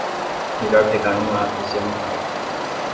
Melhor pegar um lápis e anotá-lo.